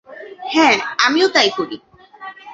হ্যাঁ, আমিও তাই করি।